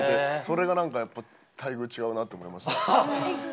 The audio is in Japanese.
それが待遇が違うなと思いました。